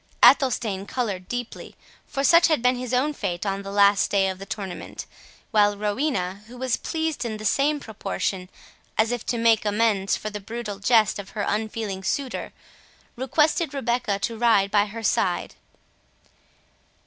Athelstane coloured deeply, for such had been his own fate on the last day of the tournament; while Rowena, who was pleased in the same proportion, as if to make amends for the brutal jest of her unfeeling suitor, requested Rebecca to ride by her side.